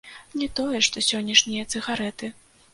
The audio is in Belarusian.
Не тое што сённяшнія цыгарэты.